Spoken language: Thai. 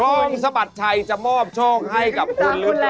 ลุงสะบัดชัยจะมอบโชคให้กับคุณหรือเปล่า